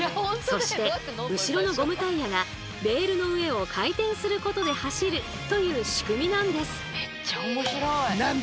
そして後ろのゴムタイヤがレールの上を回転することで走るという仕組みなんです。